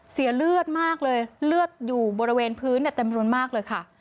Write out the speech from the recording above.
เสียเลือดมากเลยเลือดอยู่บริเวณพื้นเต็มจำนวนมากเลยค่ะ